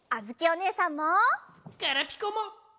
ガラピコも。